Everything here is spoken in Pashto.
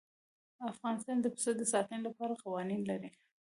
افغانستان د پسه د ساتنې لپاره قوانین لري.